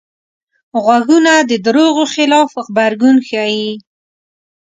غوږونه د دروغو خلاف غبرګون ښيي